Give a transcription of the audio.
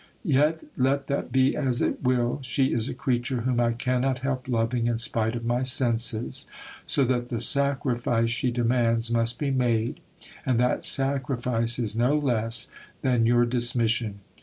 Yet let that be as it will, she is a creature whom I cannot help loving in spite of my senses ; so that the sacrifice she demands must be made, and that sacrifice is no less than your dismission.